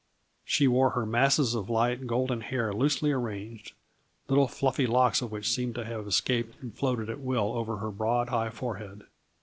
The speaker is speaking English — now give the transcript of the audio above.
She wore her masses of light golden hair loosely arranged, little fluffy locks of which seemed to have escaped and floated at will over her broad high forehead.